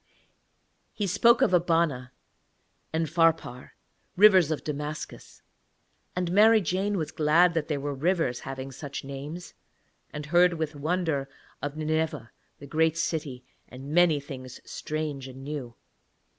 He spoke of Abana and Pharpar, rivers of Damascus: and Mary Jane was glad that there were rivers having such names, and heard with wonder of Nineveh, that great city, and many things strange and new.